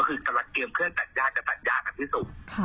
คือตลัดเกลียมเครื่องตัดย่ายแต่ตัดย่ากันที่สุด